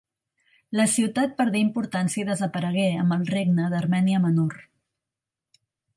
La ciutat perdé importància i desaparegué amb el Regne d'Armènia Menor.